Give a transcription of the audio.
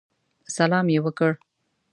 سلام یې وکړ.